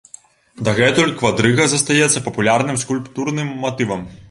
Дагэтуль квадрыга застаецца папулярным скульптурным матывам.